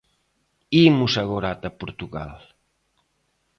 Imos agora ata Portugal.